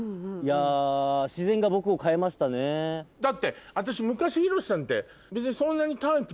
だって私昔ヒロシさんて。